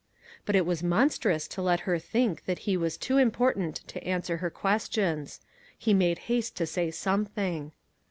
But it was monstrous to let her think that he was too important to answer her questions. He made haste to say something.